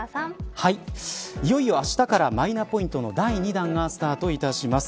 いよいよあしたからマイナポイントの第２弾がスタートいたします。